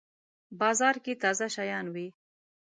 بازار کی تازه شیان وی